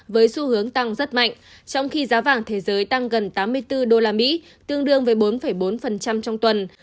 với xu hướng tăng rất mạnh trong khi giá vàng thế giới tăng gần tám mươi bốn usd tương đương với bốn bốn trong tuần